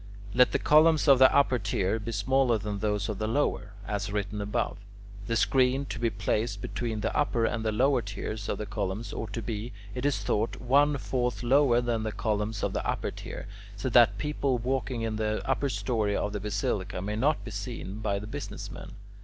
Let the columns of the upper tier be smaller than those of the lower, as written above. The screen, to be placed between the upper and the lower tiers of columns, ought to be, it is thought, one fourth lower than the columns of the upper tier, so that people walking in the upper story of the basilica may not be seen by the business men.